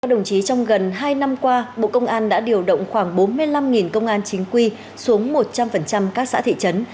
đồng chí trong gần hai năm qua bộ công an đã điều động khoảng bốn mươi năm công an chính quy xuống một trăm linh các xã thị trấn